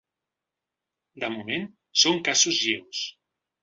De moment, són casos lleus.